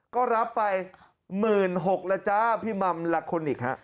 ก็รับไป๑๐๐๐๐๖ล่ะจ๊ะพี่ม่ำลักคลนิกครับ